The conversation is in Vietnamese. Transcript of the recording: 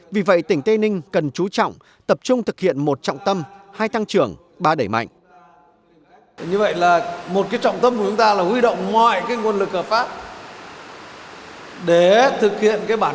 vì vậy tỉnh tây ninh cần trú trọng tập trung thực hiện một trọng tâm hai tăng trưởng ba đẩy mạnh